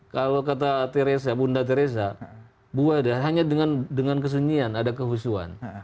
kalau kata teresa bunda teresa bu wadah hanya dengan kesunyian ada kehusuan